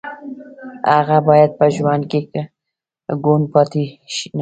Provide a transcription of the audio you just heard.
هغه باید په ژوند کې کوڼ پاتې نه شي